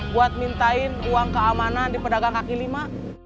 buat mintain uang keamanan di pedagang kaki lima